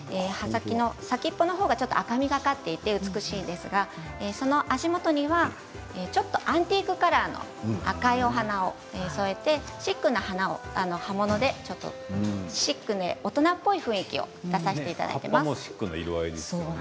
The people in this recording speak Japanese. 先っぽの方がちょっと赤みがかっていて美しいですが足元にはちょっとアンティークカラーの赤いお花を添えてシックな葉物でシックに大人っぽい雰囲気を出させてもらいました。